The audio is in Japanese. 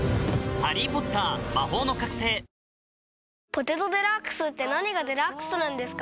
「ポテトデラックス」って何がデラックスなんですか？